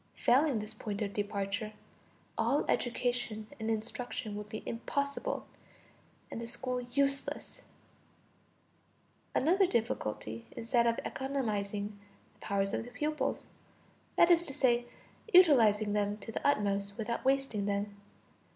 Failing this point of departure, all education and instruction would be impossible, and the school useless. Another difficulty is that of economizing the powers of the pupils, that is to say, utilizing them to the utmost without wasting them.